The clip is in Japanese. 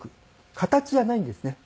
形じゃないんですね。